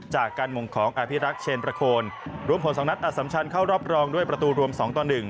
จากการมงของอภิรักษ์เชนประโคนรวมผลสองนัดอสัมชันเข้ารอบรองด้วยประตูรวม๒ต่อ๑